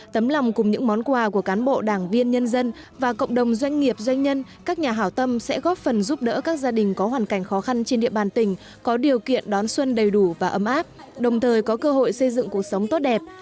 tấm lòng cùng những món quà của cán bộ đảng viên nhân dân và cộng đồng doanh nghiệp doanh nhân các nhà hảo tâm sẽ góp phần giúp đỡ các gia đình có hoàn cảnh khó khăn trên địa bàn tỉnh có điều kiện đón xuân đầy đủ và ấm áp đồng thời có cơ hội xây dựng cuộc sống tốt đẹp